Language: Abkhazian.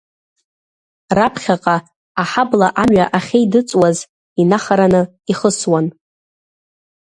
Раԥхьаҟа, аҳабла амҩа ахьеидыҵуаз, инахараны ихысуан.